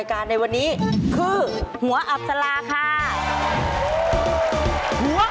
ข้อนี้ฝนตกอีกต่างหาก